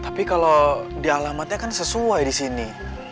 tapi kalau di alamatnya kan sesuai di sini